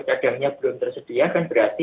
cadangnya belum tersedia kan berarti